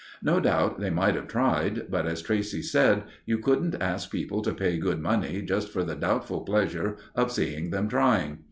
No doubt they might have tried, but, as Tracey said, you couldn't ask people to pay good money just for the doubtful pleasure of seeing them trying.